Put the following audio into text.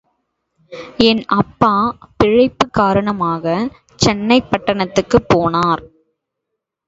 என் அப்பா பிழைப்பு காரணமாக சென்னைப் பட்டணத்துக்குப் போனார்.